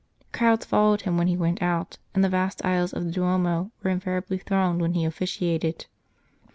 Crowds followed him when he went out, and the vast aisles of the Duomo were invariably thronged when he officiated.